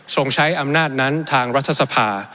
ใช้อำนาจนั้นทางรัฐสภา